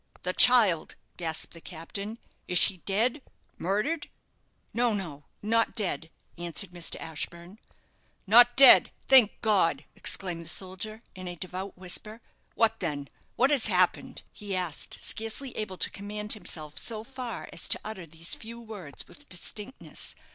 "The child!" gasped the captain; "is she dead murdered?" "No, no, not dead," answered Mr. Ashburne. "Not dead! Thank God!" exclaimed the soldier, in a devout whisper. "What then? What has happened?" he asked, scarcely able to command himself so far as to utter these few words with distinctness.